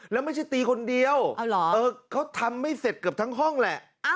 แล้วไม่ใช่ตีคนเดียวเขาทำไม่เสร็จเกือบทั้งห้องแหละ